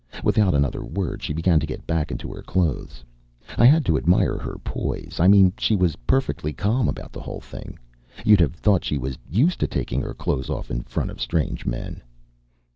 Without another word, she began to get back into her clothes. I had to admire her poise. I mean she was perfectly calm about the whole thing. You'd have thought she was used to taking her clothes off in front of strange men.